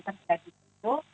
kerja di situ